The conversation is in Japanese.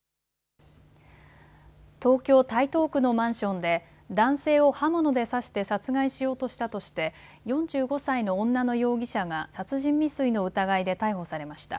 東京台東区のマンションで男性を刃物で刺して殺害しようとしたとして４５歳の女の容疑者が殺人未遂の疑いで逮捕されました。